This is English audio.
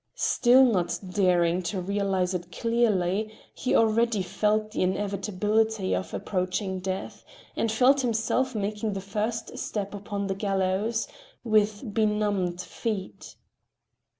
Still not daring to realize it clearly, he already felt the inevitability of approaching death, and felt himself making the first step upon the gallows, with benumbed feet.